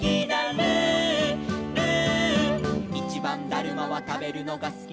「ルールー」「いちばんだるまはたべるのがすき」